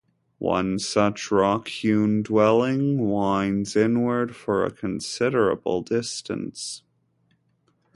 One such rock-hewn dwelling winds inward for a considerable distance.